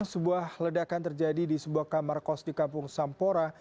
sebuah ledakan terjadi di sebuah kamar kos di kampung sampora